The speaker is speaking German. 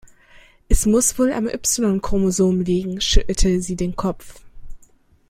Es muss wohl am Y-Chromosom liegen, schüttelte sie den Kopf.